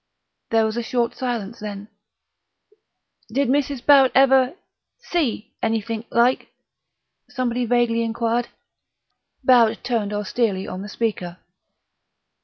There was a short silence: then, "Did Mrs. Barrett ever..._ see_ anythink, like?" somebody vaguely inquired. Barrett turned austerely on the speaker.